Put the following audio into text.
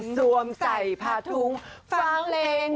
สวมใส่ผาทุ่งฟังเล็งลุกทุ่ง